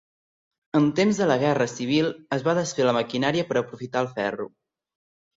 En temps de la Guerra Civil es va desfer la maquinària per aprofitar el ferro.